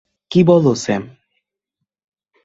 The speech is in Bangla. কী বলো, স্যাম?